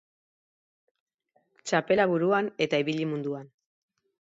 Txapela buruan eta ibili munduan.